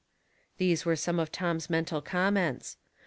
These were sorbe of Tom's mental comments.